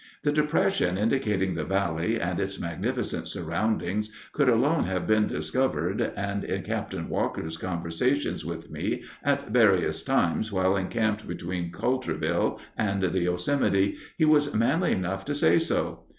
The depression indicating the valley, and its magnificent surroundings, could alone have been discovered, and in Capt. Walker's conversations with me at various times while encamped between Coulterville and the Yosemite, he was manly enough to say so.